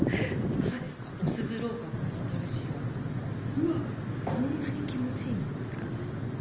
うわっこんなに気持ちいいのって感じでした。